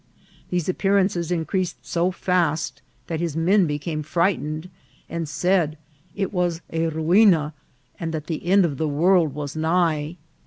These appearances increased so fast that his men became frightened, and said it was a ruina, and that the end of the world was nigh.